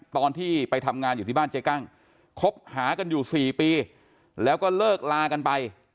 ตอนที่ไปทำงานอยู่ที่บ้านเจ๊กั้งคบหากันอยู่๔ปีแล้วก็เลิกลากันไป